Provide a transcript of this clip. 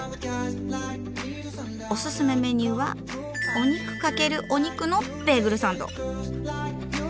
オススメメニューは「お肉×お肉」のベーグルサンド。